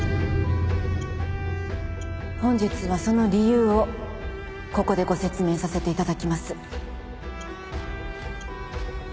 本日はその理由をここでご説明させていただきます。